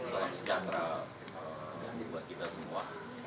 salam sejahtera buat kita semua